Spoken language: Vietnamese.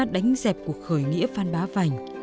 đánh dẹp cuộc khởi nghĩa phan bá vảnh